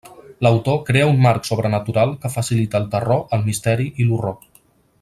L'autor crea un marc sobrenatural que facilita el terror, el misteri i l'horror.